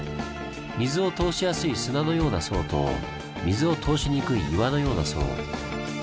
水を通しやすい砂のような層と水を通しにくい岩のような層。